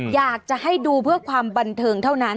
อยากจะให้ดูเพื่อความบันเทิงเท่านั้น